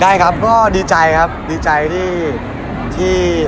ได้ครับก็ดีใจครับดีใจที่